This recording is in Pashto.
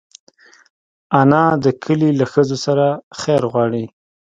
انا د کلي له ښځو سره خیر غواړي